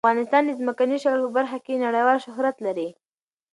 افغانستان د ځمکنی شکل په برخه کې نړیوال شهرت لري.